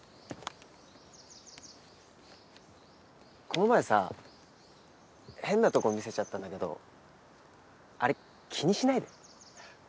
この前さ変なとこ見せちゃったんだけどあれ気にしないで。